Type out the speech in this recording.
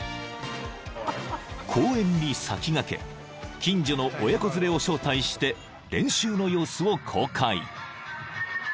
［公演に先駆け近所の親子連れを招待して練習の様子を公開］